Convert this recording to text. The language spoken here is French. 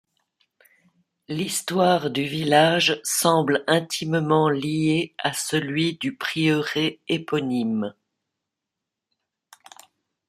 L'histoire du village semble intimement lié à celui du prieuré éponyme.